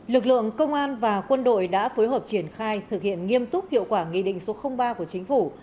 lực lượng công an và quân đội đã phối hợp triển khai thực hiện nghiêm túc hiệu quả nghị định số ba của chính phủ